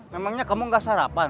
memangnya kamu tidak sarapan